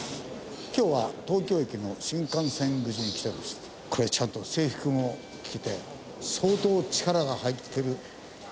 今日は東京駅の新幹線口に来ておりましてこれはちゃんと制服も着て相当力が入ってる企画じゃないかと。